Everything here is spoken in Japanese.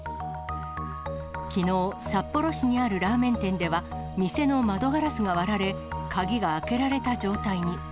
きのう、札幌市にあるラーメン店では、店の窓ガラスが割られ、鍵が開けられた状態に。